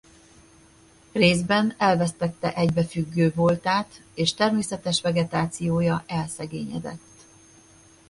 Részben elvesztette egybefüggő voltát és természetes vegetációja elszegényedett.